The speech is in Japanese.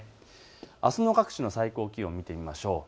あすの各地の最高気温を見てみましょう。